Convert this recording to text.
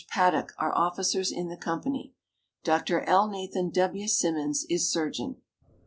Paddock are officers in the company. Dr. Elnathan W. Simmons is surgeon.